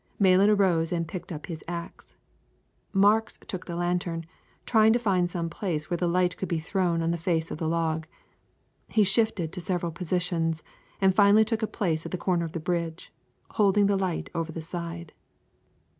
Malan arose and picked up his axe. Marks took the lantern, trying to find some place where the light could be thrown on the face of the log. He shifted to several positions and finally took a place at the corner of the bridge, holding the light over the side.